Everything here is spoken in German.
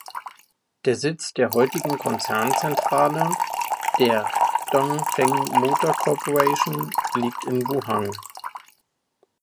Der Sitz der heutigen Konzernzentrale der "Dongfeng Motor Corporation" liegt in Wuhan.